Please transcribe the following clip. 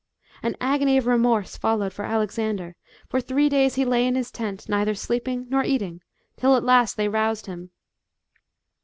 An agony of remorse followed for Alexander ; for three days he lay in his tent, neither sleeping nor eating, till at last they roused him.